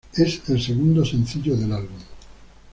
Es el segundo sencillo del álbum.